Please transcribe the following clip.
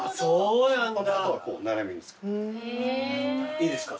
いいですか？